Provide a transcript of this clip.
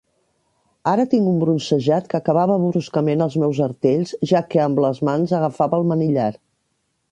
Ara tinc un bronzejat que acaba bruscament al meus artells, ja que amb les mans agafava el manillar.